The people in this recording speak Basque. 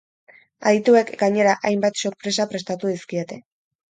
Adituek, gainera, hainbat sorpresa prestatu dizkiete.